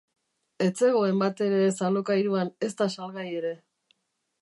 Ez zegoen bat ere ez alokairuan, ezta salgai ere.